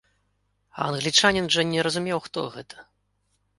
А англічанін жа не разумеў, хто гэта.